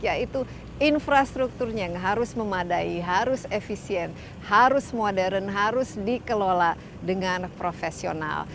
yaitu infrastrukturnya yang harus memadai harus efisien harus modern harus dikelola dengan profesional